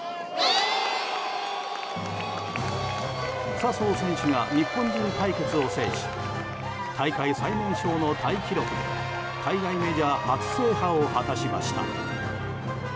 笹生選手が日本人対決を制し大会最年少のタイ記録で海外メジャー初制覇を果たしました。